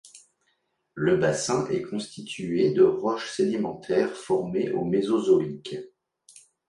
Le bassin est constitué de roches sédimentaires formées au mésozoïque.